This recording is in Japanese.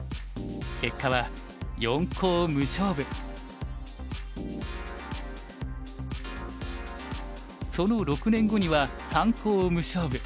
結果はその６年後には三コウ無勝負。